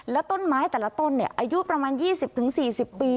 แล้วต้นไม้แต่ละต้นเนี้ยอายุประมาณยี่สิบถึงสี่สิบปี